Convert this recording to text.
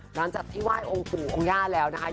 หลังจากที่ไหว้องค์ปู่องค์ย่าแล้วนะคะ